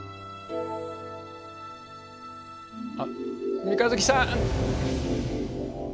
あっ三日月さん。